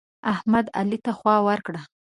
احمد؛ علي ته خوا ورکړه.